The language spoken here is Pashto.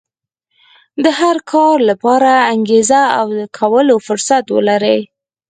د هر کار لپاره انګېزه او د کولو فرصت ولرئ.